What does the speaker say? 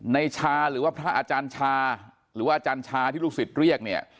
ในชาหรือว่าพระอาจารย์ชาหรือว่าอาจารย์ชาที่ลูกศิษย์เรียกเนี่ย